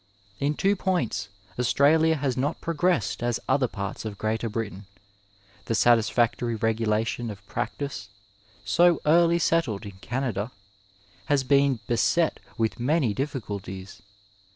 In two points Australia has not pro gressed as other parts of Greater Britain. The satisfactory regulation of practice, so early settled in Canada, has been beset with many difficulties.